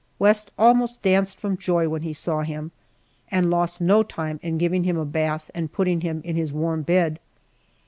West almost danced from joy when he saw him, and lost no time in giving him a bath and putting him in his warm bed.